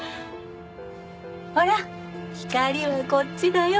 ほら光はこっちだよ。